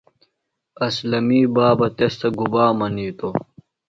اسلمی بابہ تس تھےۡ گُبا منِیتوۡ؟